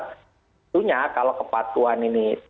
tentunya kalau kepatuhan ini